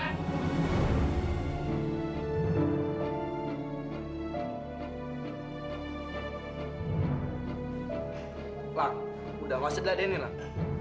lang udah wasit lah deh ini lang